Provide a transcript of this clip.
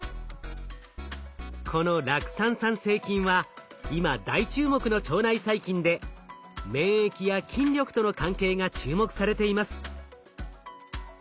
この酪酸産生菌は今大注目の腸内細菌で免疫や筋力との関係が注目されています。